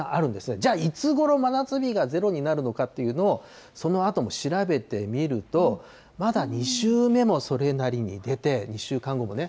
じゃあいつごろ真夏日がゼロになるのかというのをそのあとも調べてみると、まだ２週目もそれなりに出て、２週間後もね。